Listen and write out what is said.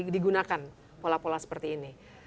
digunakan pola pola seperti ini